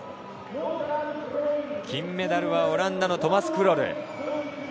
金メダルはオランダのトマス・クロル。